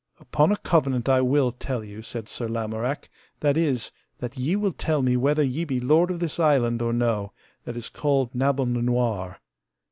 Upon a covenant I will tell you, said Sir Lamorak, that is, that ye will tell me whether ye be lord of this island or no, that is called Nabon le Noire.